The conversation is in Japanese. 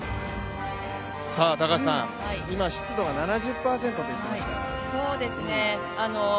今、湿度が７０％と言っていましたが。